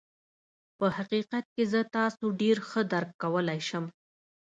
په حقيقت کې زه تاسو ډېر ښه درک کولای شم.